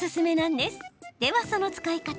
では、その使い方。